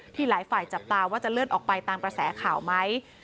หลายฝ่ายจับตาว่าจะเลื่อนออกไปตามกระแสข่าวไหม